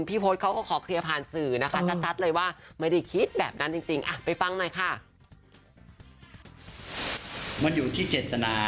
พี่โพชเขาก็ขอเคลียร์ผ่านสื่อนะคะ